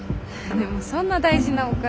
でもそんな大事なお金。